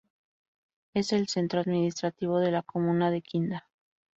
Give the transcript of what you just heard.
Es el centro administrativo de la comuna de Kinda.